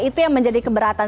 itu yang menjadi keberatan